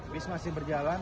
bis masih berjalan